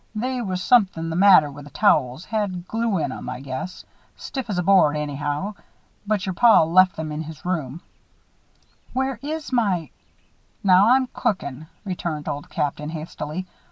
"They was somethin' the matter with the towels had glue in 'em, I guess. Stiff as a board, anyhow. But your paw left some in his room " "Where is my " "Now, I'm cookin'," returned Old Captain, hastily.